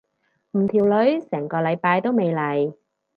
唔條女成個禮拜都未嚟。